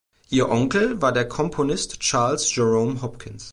Ihr Onkel war der Komponist Charles Jerome Hopkins.